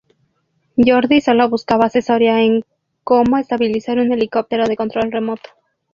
Jordi sólo buscaba asesoría en cómo estabilizar un helicóptero de control remoto.